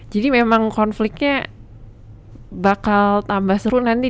jadi memang konfliknya bakal tambah seru nanti